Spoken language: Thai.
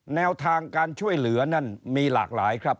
แนวทางการช่วยเหลือนั่นมีหลากหลายครับ